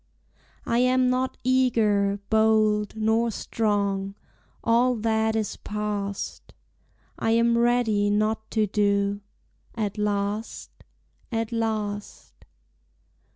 I am not eager, bold, Nor strong, all that is past; I am ready not to do, At last, at last.